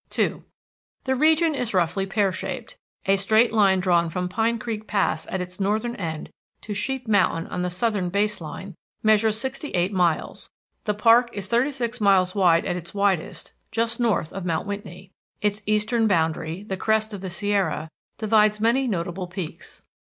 II The region is roughly pear shaped. A straight line drawn from Pine Creek Pass at its northern end to Sheep Mountain on the southern base line measures sixty eight miles; the park is thirty six miles wide at its widest, just north of Mount Whitney. Its eastern boundary, the crest of the Sierra, divides many notable peaks.